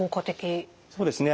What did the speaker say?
そうですね